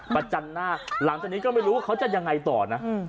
ประจันหน้าหลังจากนี้ก็ไม่รู้ว่าเขาจะยังไงต่อนะ